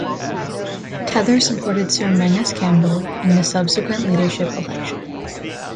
Teather supported Sir Menzies Campbell in the subsequent leadership election.